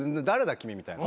君みたいな。